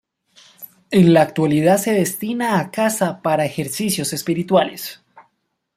En la actualidad se destina a casa para ejercicios espirituales.